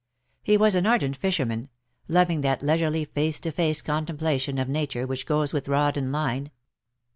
He was an ardent fisherman — loving that leisurely face to face contemplation of Nature which goes with rod and line.